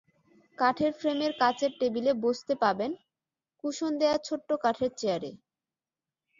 কাঠের ফ্রেমের কাচের টেবিলে বসতে পাবেন কুশন দেওয়া ছোট্ট কাঠের চেয়ারে।